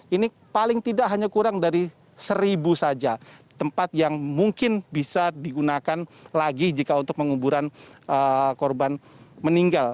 ini paling tidak hanya kurang dari seribu saja tempat yang mungkin bisa digunakan lagi jika untuk penguburan korban meninggal